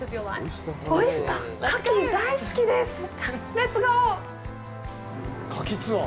レッツゴー。